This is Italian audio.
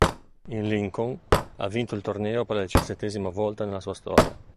Il Lincoln ha vinto il torneo per la diciassettesima volta nella sua storia.